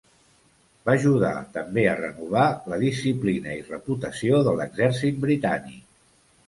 Va ajudar també a renovar la disciplina i reputació de l'Exèrcit Britànic.